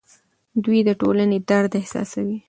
دی د ټولنې درد احساسوي.